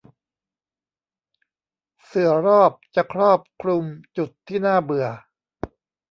เสื่อรอบจะครอบคลุมจุดที่น่าเบื่อ